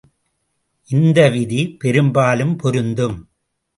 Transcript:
இந்த விதி பெரும்பாலும் பொருந்தும்.